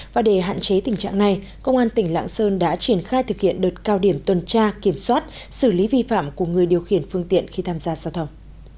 và để hạn chế tình trạng này công an tỉnh lạng sơn đã triển khai thực hiện đợt cao điểm tuần tra kiểm soát xử lý vi phạm của người điều khiển phương tiện khi tham gia giao thông